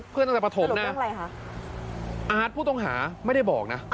เพื่อนต้องเป็นประถมนะสรุปเรื่องอะไรค่ะอาร์ตผู้ต้องหาไม่ได้บอกนะ